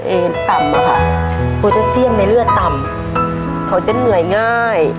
ต่ำอะค่ะโปรเจเซียมในเลือดต่ำเขาจะเหนื่อยง่าย